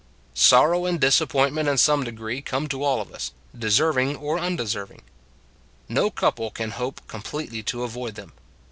Sorrow and disappointment in some de gree come to all of us, deserving or unde serving: no couple can hope completely to avoid them.